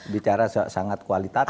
bicara sangat kualitatif